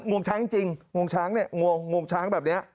วงช้างจริงงวงช้างเนี่ยงวงช้างแบบนี้